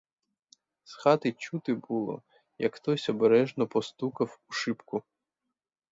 З хати чути було, як хтось обережно постукав у шибку.